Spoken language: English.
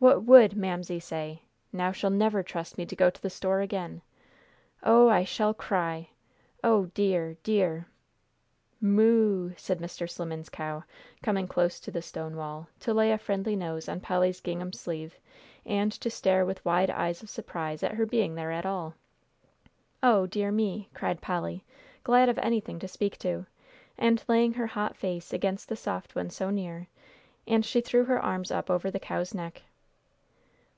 "What would Mamsie say! Now she never'll trust me to go to the store again. Oh, I shall cry! O dear, dear!" "Moo!" said Mr. Slimmen's cow, coming close to the stone wall, to lay a friendly nose on Polly's gingham sleeve, and to stare with wide eyes of surprise at her being there at all. "O dear me!" cried Polly, glad of anything to speak to, and laying her hot face against the soft one so near, and she threw her arms up over the cow's neck.